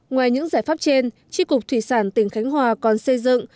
ngoài những giải pháp trên tri cục thủy sản tỉnh khánh hòa còn xây dựng